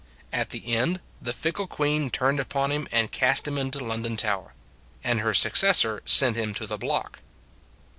At the end the fickle queen turned upon him and cast him into London Tower. And her successor sent him to the block.